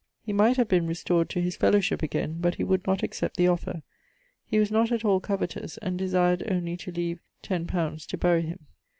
He might have been restored to his fellowship again, but he would not accept the offer. He was not at all covetous, and desired only to leave x li. to bury him.